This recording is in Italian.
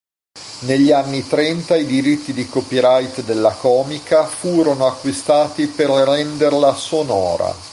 Negli anni trenta i diritti di copyright della comica furono acquistati per renderla sonora.